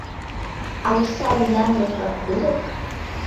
— А осал янлык-влак улыт?